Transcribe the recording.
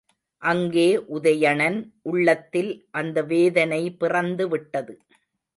அங்கே உதயணன் உள்ளத்தில் அந்த வேதனை பிறந்துவிட்டது.